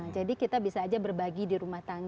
jadi kita bisa aja berbagi di rumah tangga